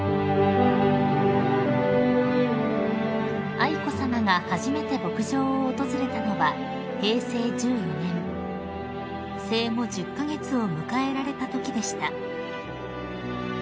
［愛子さまが初めて牧場を訪れたのは平成１４年生後１０カ月を迎えられたときでした］